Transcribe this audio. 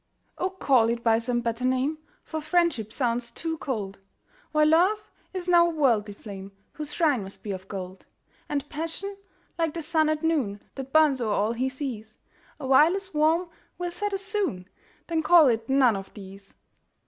Oh, call it by some better name, For Friendship sounds too cold, While Love is now a worldly flame, Whose shrine must be of gold: And Passion, like the sun at noon, That burns o'er all he sees, Awhile as warm will set as soon Then call it none of these.